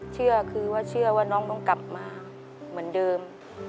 เชื่อคือว่าเชื่อว่าน้องต้องกลับมาเหมือนเดิม